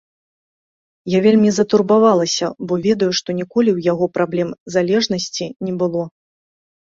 Я вельмі затурбавалася, бо ведаю, што ніколі ў яго праблем залежнасці не было.